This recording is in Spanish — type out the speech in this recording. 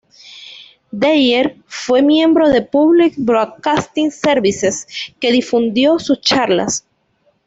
Dyer fue miembro de Public Broadcasting Services, que difundió sus charlas.